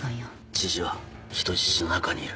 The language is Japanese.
知事は人質の中にいる。